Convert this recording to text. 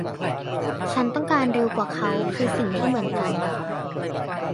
ฉันต้องการเร็วกว่าเค้าคือสิ่งที่เหมือนกัน